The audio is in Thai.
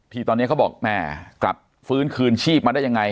ที่ตอนนี้เขาบอกแม่กลับฟื้นคืนชีพมาได้ยังไง